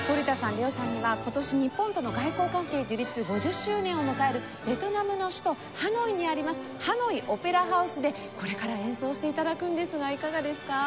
ＬＥＯさんには今年日本との外交関係樹立５０周年を迎えるベトナムの首都ハノイにありますハノイオペラハウスでこれから演奏して頂くんですがいかがですか？